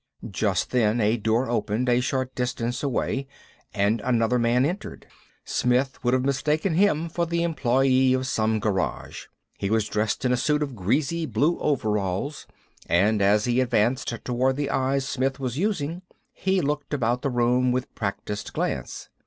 Just then a door opened a short distance away and another man entered. Smith would have mistaken him for the employee of some garage. He was dressed in a suit of greasy blue overalls; and as he advanced toward the eyes Smith was using, he looked about the room with practiced glance.